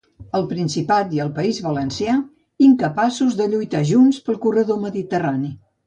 El Principat i el País Valencià incapaços de lluitar junts pel corredor mediterrani